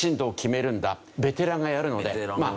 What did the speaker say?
ベテランがやるのでまあ